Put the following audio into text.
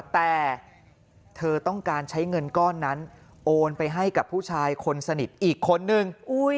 แต่เธอต้องการใช้เงินก้อนนั้นโอนไปให้กับผู้ชายคนสนิทอีกคนนึง